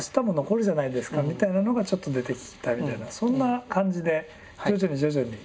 みたいなのがちょっと出てきたみたいなそんな感じで徐々に徐々に。